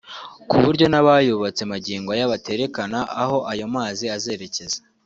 ku buryo n’abayubatse magingo aya baterekana aho ayo mazi azerekeza